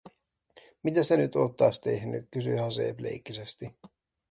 "Mitä sä nyt oot taas tehny?", kysyi Haseeb leikkisästi.